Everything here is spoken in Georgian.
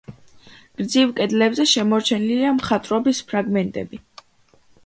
გრძივ კედლებზე შემორჩენილია მხატვრობის ფრაგმენტები.